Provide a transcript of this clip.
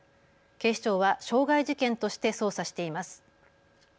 警視庁は傷害事件として捜査しています。